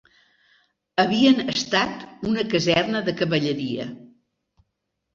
Havien estat una caserna de cavalleria